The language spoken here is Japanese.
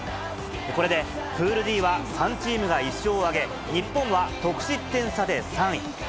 これでプールＤは３チームが１勝を挙げ、日本は得失点差で３位。